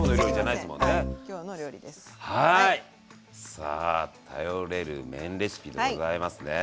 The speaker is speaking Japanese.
さあ頼れる麺レシピでございますね。